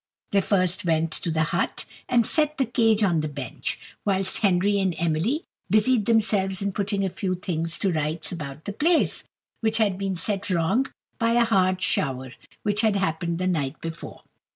They first went to the hut, and set the cage on the bench, whilst Henry and Emily busied themselves in putting a few things to rights about the place, which had been set wrong by a hard shower which had happened the night before.